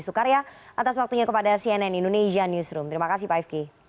soekarya atas waktunya kepada cnn indonesia newsroom terima kasih pak ifki